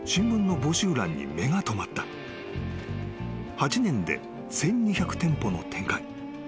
［８年で１，２００店舗の展開］